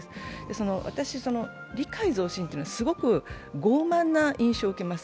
その私、理解増進っていうのはすごく傲慢な印象を受けます。